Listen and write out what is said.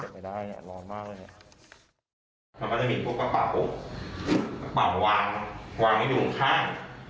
มันจะมีพวกกระเป๋าปั๋ววางวางให้ดูข้าง